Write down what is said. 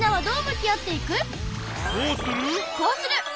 どうする？